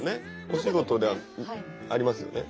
お仕事でありますよね？